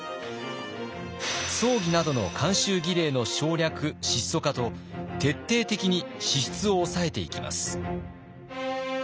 葬儀などの慣習儀礼の省略質素化と徹底的に支出を抑えていきます。